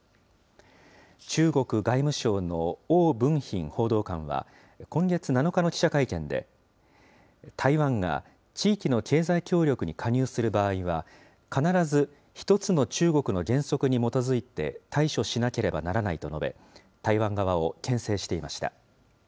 中国外務省の汪文斌報道官は、今月７日の記者会見で、台湾が地域の経済協力に加入する場合は、必ず１つの中国の原則に基づいて対処しなければならないと述べ、台湾側をけん制していました。